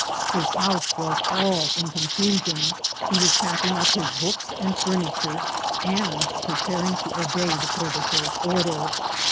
His house was all in confusion ; he was pack ing up his books and furniture, and preparing to obey the provesor's order.